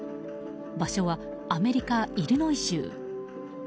場所はアメリカ・イリノイ州。